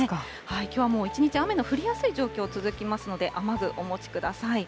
きょうはもう、一日、雨の降りやすい状況が続きますので、雨具、お持ちください。